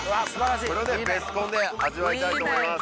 これをねベスコンで味わいたいと思います